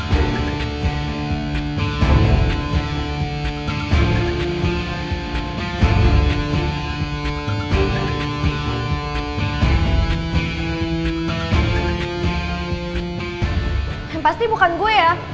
yang pasti bukan gue ya